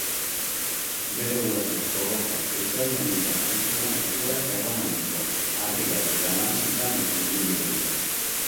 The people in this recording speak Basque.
Bere guraso zorrotzak etxadi handira heltzean egoera erromantiko harrigarri eta nahasitan murgilduko dira.